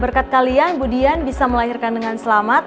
berkat kalian budian bisa melahirkan dengan selamat